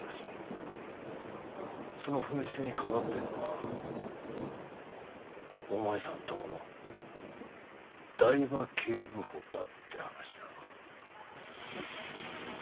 その紛失に関わってるのがお前さんとこの台場警部補だって話だ。